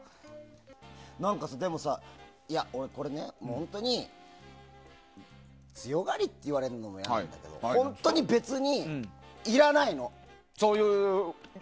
でもさ、俺、本当に強がりって言われるのも嫌なんだけど本当に別にいらないの。